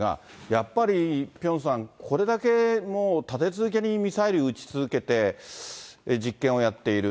やっぱりピョンさん、これだけもう立て続けにミサイル撃ち続けて、実験をやっている。